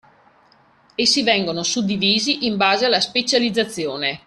Essi vengono suddivisi in base alla specializzazione.